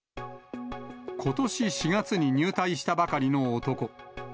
ことし４月に入隊したばかりの男。